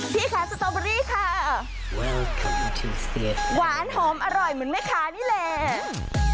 พี่คะสตอเบอรี่ค่ะหวานหอมอร่อยเหมือนแม่ค้านี่แหละ